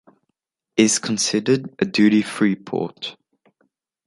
Is considered a duty free port.